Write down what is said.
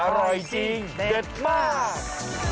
อร่อยจริงเด็ดมาก